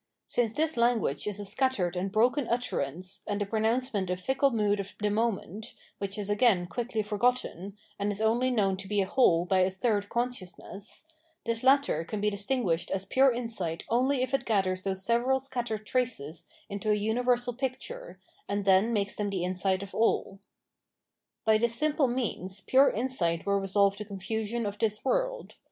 Since this language is a scattered and broken utterance and the pronouncement a fickle mood of the moment, which is again quickly forgotten, and is only known to be a whole by a third consciousness, this latter can be distinguished as pure insight only if it gathers those several scattered traces into a umversal picture, and then makes them the insight of all. By this simple means pure insight will resolve the confusion of this world.